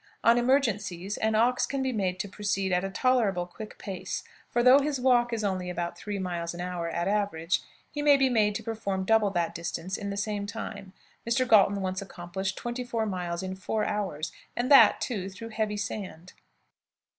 On emergencies, an ox can be made to proceed at a tolerable quick pace; for, though his walk is only about three miles an hour at an average, he may be made to perform double that distance in the same time. Mr. Galton once accomplished 24 miles in four hours, and that, too, through heavy sand!"